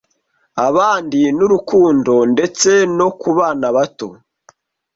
abandi n’urukundo, ndetse no ku bana bato,